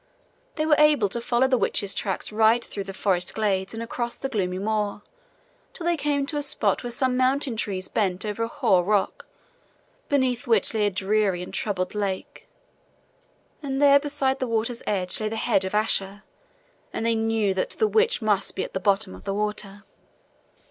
They were able to follow the witch's tracks right through the forest glades and across the gloomy moor, till they came to a spot where some mountain trees bent over a hoar rock, beneath which lay a dreary and troubled lake; and there beside the water's edge lay the head of Asher, and they knew that the witch must be at the bottom of the water.